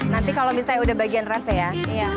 nanti kalau bisa udah bagian rev nya ya